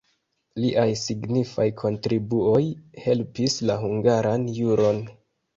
Liaj signifaj kontribuoj helpis la hungaran juron.